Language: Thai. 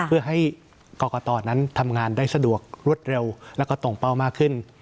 เพื่อให้กรกตนั้นทำงานได้สะดวกรวดเร็วแล้วก็ตรงเป้ามากขึ้น